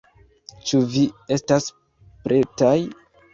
Ĉu vi estas pretaj?